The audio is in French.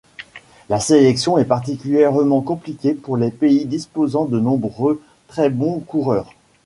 La sélection est particulièrement compliquée pour les pays disposant de nombreux très bon coureurs.